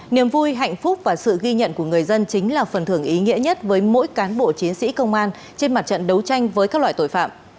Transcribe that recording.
niềm vui hạnh phúc và sự ghi nhận của người dân chính là phần thưởng ý nghĩa nhất với mỗi cán bộ chiến sĩ công an trên mặt trận đấu tranh với các loại tội phạm